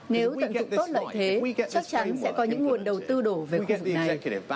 nếu tận dụng tốt lợi thế chắc chắn sẽ có những nguồn đầu tư đổ về khu vực này